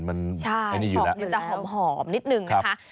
มันจะหอมนิดหนึ่งนะคะ